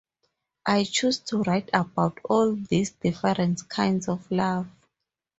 I chose to write about all these different kinds of love.